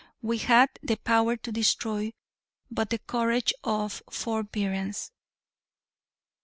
We had the power to destroy, but the courage of forbearance.